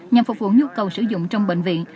nhằm phục vụ nhu cầu sử dụng trong bệnh viện